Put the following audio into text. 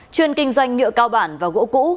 chuyên kinh doanh nhựa cao bản và gỗ cũ